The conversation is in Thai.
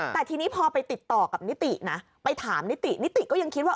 แต่ทีนี้พอไปติดต่อกับนิตินะไปถามนิตินิติก็ยังคิดว่า